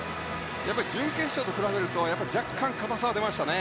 やはり準決勝と比べると若干、硬さが出ましたね。